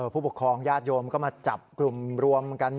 ผู้ปกครองญาติโยมก็มาจับกลุ่มรวมกัน